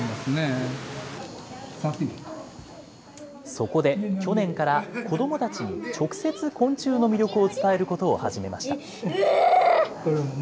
そこで、去年から子どもたちに直接昆虫の魅力を伝えることを始めました。